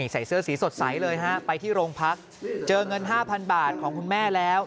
ใส่เสื้อสีสดใสเลยฮะไปที่โรงพักเจอเงิน๕๐๐๐บาทของคุณแม่แล้ว